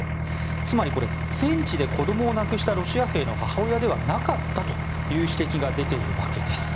つまり、戦地で子供を亡くしたロシア兵の母親ではなかったという出ているわけです。